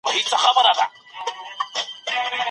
سړی باید په خپل ژوند کي زړور وي.